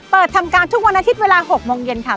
เปิดทำการทุกวันอาทิตย์เวลา๖โมงเย็นค่ะ